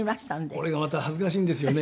これがまた恥ずかしいんですよね。